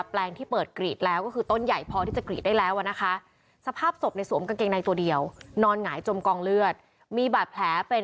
แปลงที่เปิดกรีดแล้วก็คือต้นใหญ่พอที่จะกรีดได้แล้วแล้วนะคะ